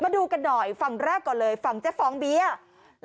มาดูกันหน่อยฝั่งแรกก่อนเลยฝั่งเจ๊ฟองเบียร์